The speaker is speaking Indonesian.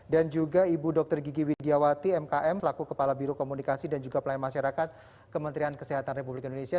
dan juga ibu dr gigi widjawati mkm selaku kepala biro komunikasi dan juga pelayan masyarakat kementerian kesehatan republik indonesia